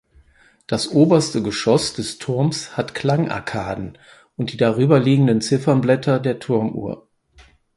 Das oberste Geschoss des Turms hat Klangarkaden und die darüber liegenden Zifferblätter der Turmuhr.